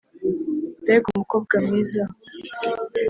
mbega umukobwa mwiza!